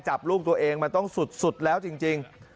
ลูกตัวเองมันต้องสุดแล้วจริง